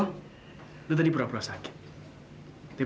kalo yang kebaikan berhati saya bisa mengerti katanya